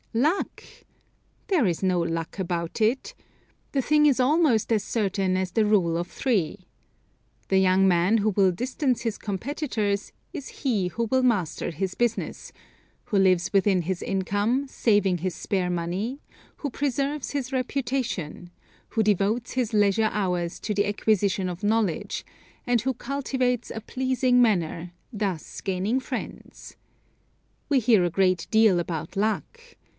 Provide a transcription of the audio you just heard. Luck! There is no luck about it. The thing is almost as certain as the "rule of three." The young man who will distance his competitors is he who will master his business; who lives within his income, saving his spare money; who preserves his reputation; who devotes his leisure hours to the acquisition of knowledge; and who cultivates a pleasing manner, thus gaining friends. We hear a great deal about luck.